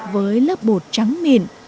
với lớp bột trắng mịn